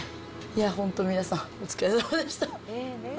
本当、皆さん、お疲れさまでした。